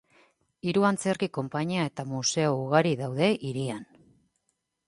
Hiru antzerki konpainia eta museo ugari daude hirian.